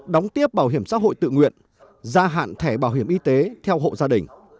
đóng tiếp bảo hiểm xã hội tự nguyện gia hạn thẻ bảo hiểm y tế theo hộ gia đình